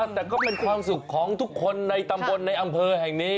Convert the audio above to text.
เออเราก็เป็นความสุขของทุกคนในตรรมบลในอำเภอแห่งนี้